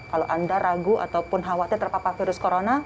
kalau anda ragu ataupun khawatir terpapar virus corona